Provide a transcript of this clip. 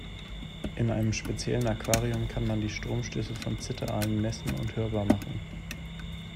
In einem speziellen Aquarium kann man die Stromstöße von Zitteraalen messen und hörbar machen.